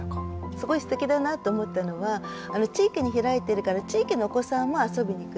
すごいすてきだなと思ったのは地域に開いてるから地域のお子さんも遊びに来る